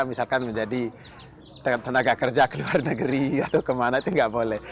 misalkan menjadi tenaga kerja ke luar negeri atau kemana itu nggak boleh